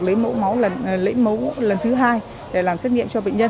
lấy mẫu lần thứ hai để làm xét nghiệm cho bệnh nhân